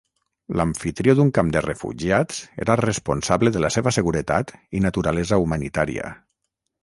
L'amfitrió d'un camp de refugiats era responsable de la seva seguretat i naturalesa humanitària.